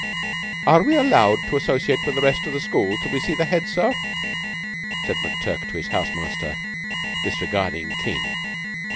"Are we allowed to associate with the rest of the school till we see the Head, sir?" said McTurk to his house master, disregarding King.